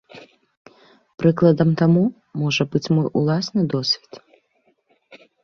Прыкладам таму можа быць мой уласны досвед.